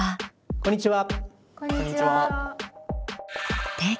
こんにちは。